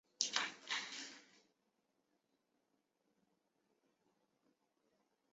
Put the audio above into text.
结果是葡萄糖的降解被抑制。